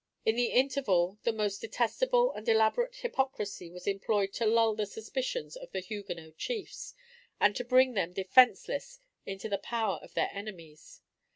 In the interval, the most detestable and elaborate hypocrisy was employed to lull the suspicions of the Huguenot chiefs, and to bring them defenceless into the power of their enemies.